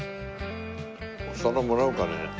お皿もらおうかね？